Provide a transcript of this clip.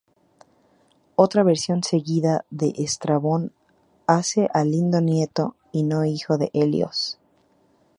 Otra versión seguida por Estrabón hace a Lindo nieto, y no hijo, de Helios.